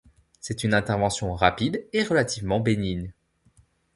C'est une intervention rapide et relativement bénigne.